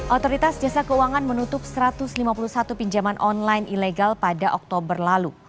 otoritas jasa keuangan menutup satu ratus lima puluh satu pinjaman online ilegal pada oktober lalu